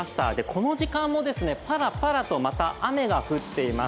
この時間もパラパラとまた雨が降っています。